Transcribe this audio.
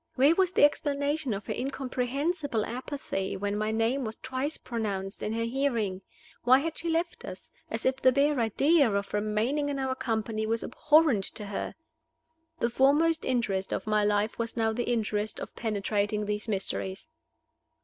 Where was the explanation of her incomprehensible apathy when my name was twice pronounced in her hearing? Why had she left us, as if the bare idea of remaining in our company was abhorrent to her? The foremost interest of my life was now the interest of penetrating these mysteries.